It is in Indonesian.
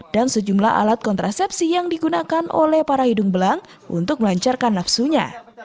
dan sejumlah alat kontrasepsi yang digunakan oleh para hidung belang untuk melancarkan nafsunya